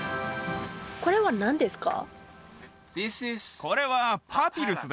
これは何ですか？